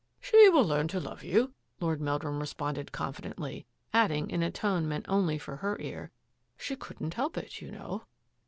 " She will learn to love you," Lord Meldrum responded confidently, adding, in a tone meant only for her ear, " she couldn't help it, you know."